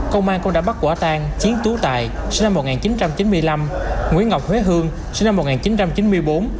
công an cũng đã bắt quả tang chiến tú tài sinh năm một nghìn chín trăm chín mươi năm nguyễn ngọc huế hương sinh năm một nghìn chín trăm chín mươi bốn